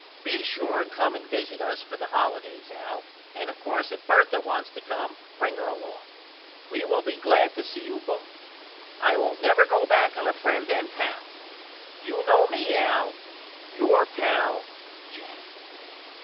Be sure and come and visit us for the holidays Al and of coarse if Bertha wants to come bring her along. We will be glad to see you both. I won't never go back on a friend and pal. You know me Al. Your old pal, JACK.